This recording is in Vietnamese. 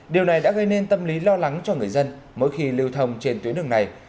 điều này đã gây nên tâm lý lo lắng cho người dân mỗi khi lưu thông trên tuyến đường này